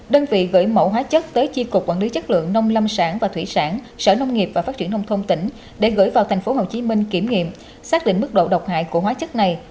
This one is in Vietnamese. đơn vị gửi mẫu hóa chất tới chiên cục quản lý chất lượng nông lâm sản và thủy sản sở nông nghiệp và phát triển nông thôn tỉnh để gửi vào thành phố hồ chí minh kiểm nghiệm xác định mức độ độc hại của hóa chất này